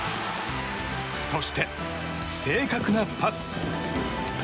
そして、正確なパス。